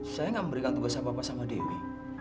saya gak memberikan tugas apa apa sama dewi